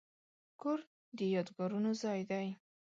کور د یادګارونو ځای دی.